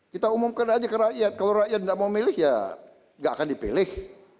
kita umumkan saja ke rakyat kalau rakyat tidak mau memilih ya tidak akan dipilih